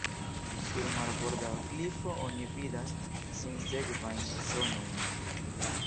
Sur marborda klifo oni vidas sinsekvajn zonojn.